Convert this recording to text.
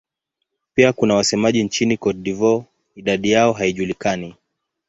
Pia kuna wasemaji nchini Cote d'Ivoire; idadi yao haijulikani.